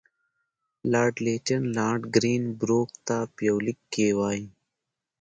لارډ لیټن لارډ ګرین بروک ته په یوه لیک کې وایي.